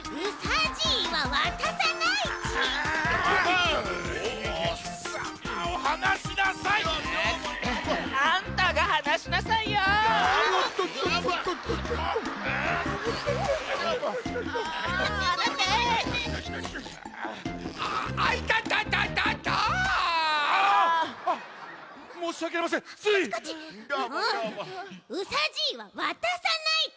うさじいはわたさないち！